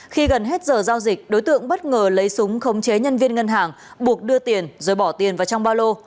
khi gần hết giờ giao dịch đối tượng bất ngờ lấy súng khống chế nhân viên ngân hàng buộc đưa tiền rồi bỏ tiền vào trong ba lô